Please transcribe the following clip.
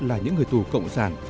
là những người tù cộng sản